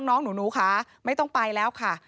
น้องหนูค่ะไม่ต้องไปแล้วค่ะ